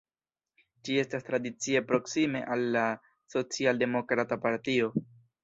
Ĝi estas tradicie proksime al la socialdemokrata partio.